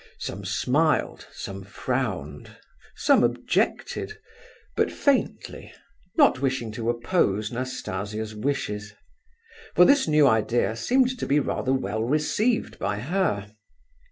Some smiled, some frowned; some objected, but faintly, not wishing to oppose Nastasia's wishes; for this new idea seemed to be rather well received by her.